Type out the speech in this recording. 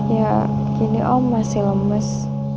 ya gini om masih lemes